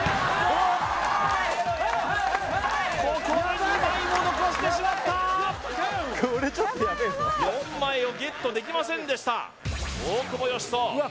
ここで２枚も残してしまったこれちょっと４枚をゲットできませんでした大久保嘉人うわ